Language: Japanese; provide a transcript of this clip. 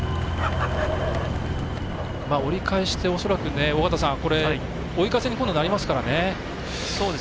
折り返しで恐らく追い風になりますからね。